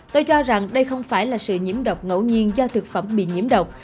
tôi cho rằng đây không phải là sự nhiễm độc ngẫu nhiên do thực phẩm bị nhiễm độc